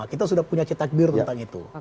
kita sudah punya cita khidmat tentang itu